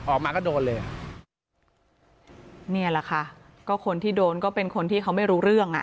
ออกมาก็โดนเลยอ่ะเนี่ยแหละค่ะก็คนที่โดนก็เป็นคนที่เขาไม่รู้เรื่องอ่ะ